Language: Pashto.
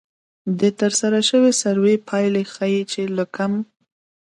د ترسره شوې سروې پایلې ښيي چې له کم